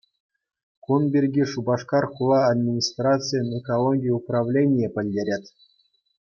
Кун пирки Шупашкар хула администрацийӗн экологи управленийӗ пӗлтерет.